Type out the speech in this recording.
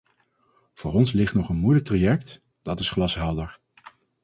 Voor ons ligt nog een moeilijk traject, dat is glashelder.